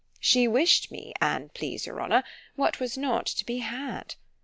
——She wish'd me, an' please your honour, what was not to be had.